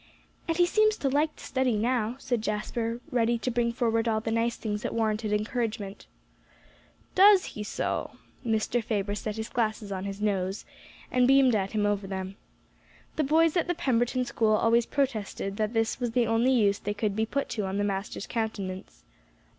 "And he seems to like to study now," said Jasper, ready to bring forward all the nice things that warranted encouragement. "Does he so?" Mr. Faber set his glasses on his nose, and beamed at him over them. The boys at the Pemberton School always protested that this was the only use they could be put to on the master's countenance.